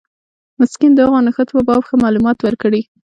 مسکین د هغو نښتو په باب ښه معلومات ورکړي.